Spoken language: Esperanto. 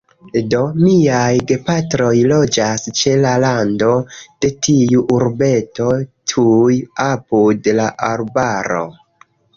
Do, miaj gepatroj loĝas ĉe la rando de tiu urbeto, tuj apud la arbaro.